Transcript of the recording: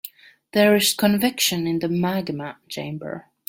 There is convection in the magma chamber.